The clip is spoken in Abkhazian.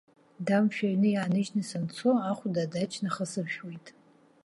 Дамшә аҩны иааныжьны санцо, ахәда адаҷ нахасыршәуеит.